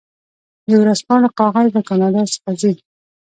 د ورځپاڼو کاغذ له کاناډا څخه ځي.